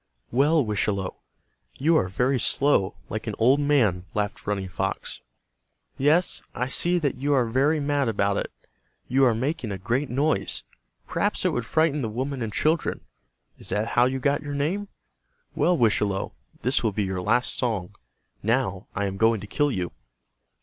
"Well, Wischalowe, you are very slow, like an old man," laughed Running Fox. "Yes, I see that you are very mad about it. You are making a great noise. Perhaps it would frighten the women and children. Is that how you got your name? Well, Wischalowe, this will be your last song. Now I am going to kill you."